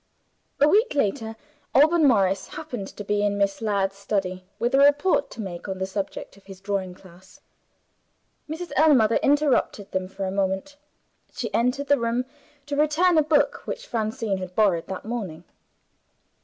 A week later, Alban Morris happened to be in Miss Ladd's study, with a report to make on the subject of his drawing class. Mrs. Ellmother interrupted them for a moment. She entered the room to return a book which Francine had borrowed that morning.